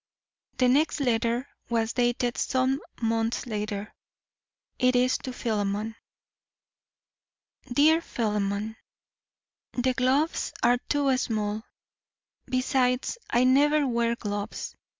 The next letter was dated some months later. It is to Philemon: DEAR PHILEMON: The gloves are too small; besides, I never wear gloves.